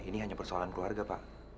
ini hanya persoalan keluarga pak